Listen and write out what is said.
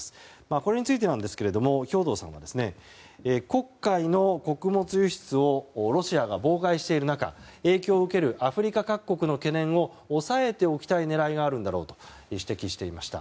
これについて兵頭さんは黒海の穀物輸出をロシアが妨害している中影響を受けるアフリカ各国の懸念を抑えておきたい狙いがあるんだろうと指摘していました。